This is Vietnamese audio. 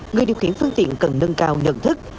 người điều khiển phương tiện cần nâng cao nhận thức